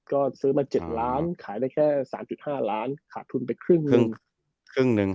ก็ซื้อมา๗ล้านขายได้แค่๓๕ล้านขาดทุนไปครึ่งหนึ่ง